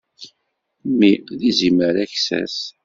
Mmi d izimer aksas.